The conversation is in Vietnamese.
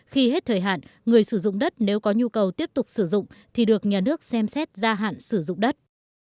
khi hết thời hạn người sử dụng đất nếu có nhu cầu tiếp tục sử dụng thì được nhà nước xem xét gia hạn sử dụng đất